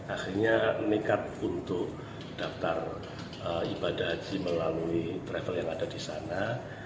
akhirnya nekat untuk daftar ibadah haji melalui travel yang ada di sana